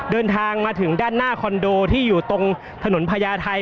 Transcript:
เดินทางมาถึงด้านหน้าคอนโดที่อยู่ตรงถนนพญาไทย